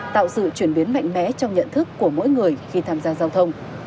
tạo sự chuyển biến mạnh mẽ trong nhận thức của mỗi người khi tham gia giao thông